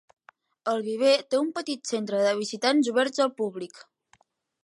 El viver té un petit centre de visitants, obert al públic.